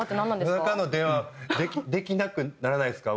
夜中の電話はできなくならないですか？